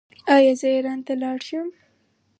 ایا زه ایران ته لاړ شم؟